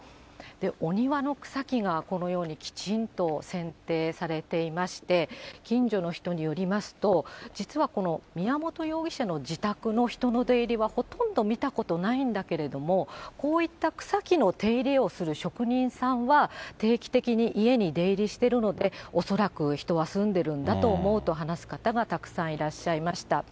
お庭の草木がこのようにきちんとせん定されていまして、近所の人によりますと、実はこの宮本容疑者の自宅の人の出入りはほとんど見たことないんだけれども、こういった草木の手入れをする職人さんは定期的に家に出入りしているので、恐らく人は住んでるんだと思うと話す方がたくさんいらっしゃいました。